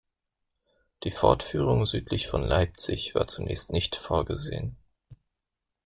Die Fortführung südlich von Leipzig war zunächst nicht vorgesehen.